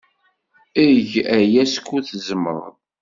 Eg aya skud tzemred.